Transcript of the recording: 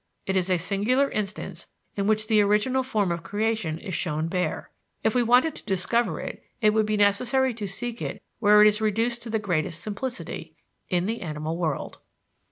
It is a singular instance in which the original form of creation is shown bare. If we wanted to discover it, it would be necessary to seek it where it is reduced to the greatest simplicity in the animal world.